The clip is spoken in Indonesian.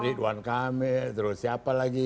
ridwan kamil terus siapa lagi